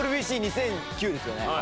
ＷＢＣ２００９ですよね？